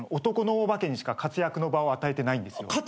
男のお化けにしか活躍の場を与えてないんですよ。